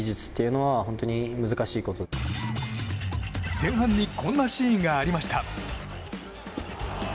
前半にこんなシーンがありました。